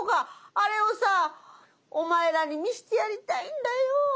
あれをさお前らに見してやりたいんだよ。